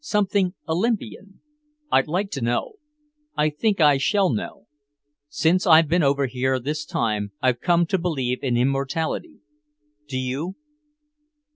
something Olympian. I'd like to know. I think I shall know. Since I've been over here this time, I've come to believe in immortality. Do you?"